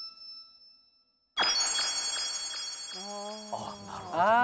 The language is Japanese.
あっなるほどな。